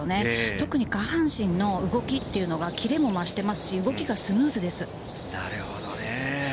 特に下半身の動きというのが、キレも増してますし、動きがスムーズです。